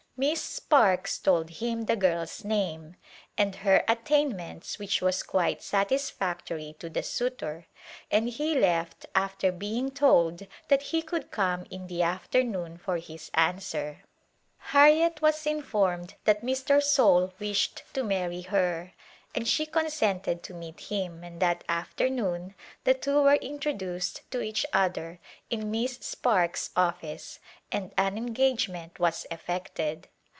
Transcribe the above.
Miss Sparkes told him the girl's name and her attain ments which was quite satisfactory to the suitor, and he left after being told that he could come in the after noon for his answer. Harriet was informed that Mr. Soule wished to marry her and she consented to meet him and that afternoon the two were introduced to General Work each other in Miss Sparkes' office and an engagement was effected.